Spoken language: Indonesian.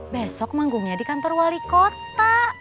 besok manggungnya di kantor wali kota